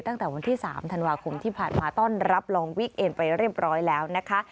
ตั้งแต่วันที่๓ธันวาคมที่ผ่านมาต้อนรับลองวิกเอ็นไปเรียบร้อยแล้วนะคะ